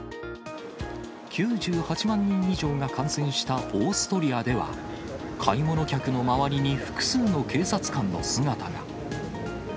９８万人以上が感染したオーストリアでは、買い物客の周りに複数の警察官の姿が。